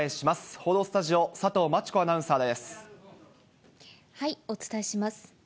報道スタジオ、お伝えします。